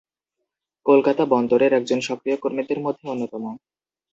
কলকাতা বন্দরের একজন সক্রিয় কর্মীদের মধ্যে অন্যতম।